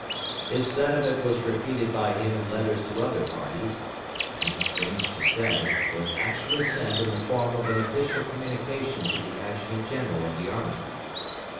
This sentiment was repeated by him in letters to other parties, and, strange to say, was actually sent in the form of an official communication to the adjutant general of the army.